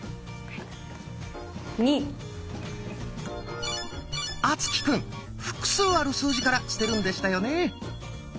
２！敦貴くん複数ある数字から捨てるんでしたよね。